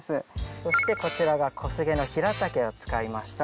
そしてこちらが小菅のヒラタケを使いました